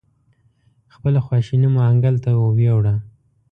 خپله خواشیني مو انکل ته ویوړه.